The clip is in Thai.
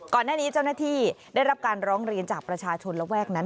ก่อนหน้านี้เจ้าหน้าที่ได้รับการร้องเรียนจากประชาชนระแวกนั้น